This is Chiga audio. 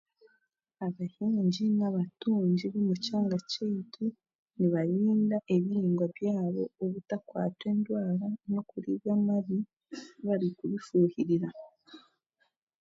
Abahingi n'abatungi omu kyanga kyaitu nibarinda ebihingwa byabo obutakwatwa endwara n'okuribwa amari barikubifuyirira